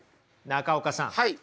中岡さん